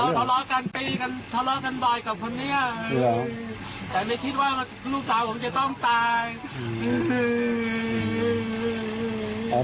ลูกบ่าผมเลาะให้ผมฟัง